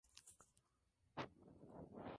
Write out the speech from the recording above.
Vivió en Barcelona, París y Roma.